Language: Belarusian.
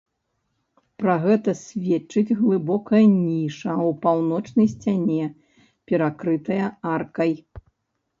Пра гэта сведчыць глыбокая ніша ў паўночнай сцяне, перакрытая аркай.